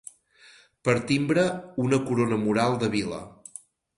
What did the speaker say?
Per timbre, una corona mural de vila.